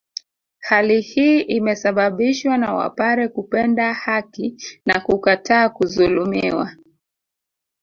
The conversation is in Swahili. Hali hii imesababishwa na wapare kupenda haki na kukataa kuzulumiwa